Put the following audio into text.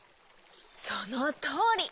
そのとおり。